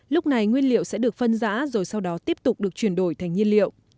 lúc này nguyên liệu sẽ được phân rã rồi sau đó tiếp tục được chuyển đổi thành nhiên liệu